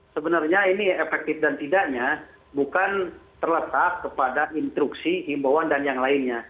sebenarnya ini efektif dan tidaknya bukan terletak kepada instruksi himbauan dan yang lainnya